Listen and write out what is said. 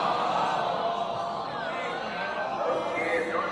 o ارام سه څله دي پر زړه کوې باران د اوښکو ـ